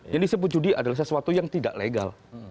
yang disebut judi adalah sesuatu yang tidak legal